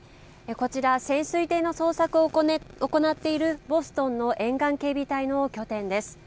こちら潜水艇の捜索を行っているボストンの沿岸警備隊の拠点です。